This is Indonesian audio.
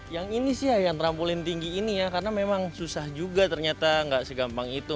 yang ini sih yang trampolin tinggi ini ya karena memang susah juga ternyata nggak segampang itu